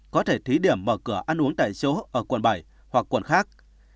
có thể thí điểm mở cửa ăn uống tại chỗ ở quận bảy hoặc quận khác